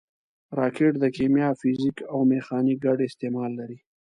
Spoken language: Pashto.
راکټ د کیمیا، فزیک او میخانیک ګډ استعمال لري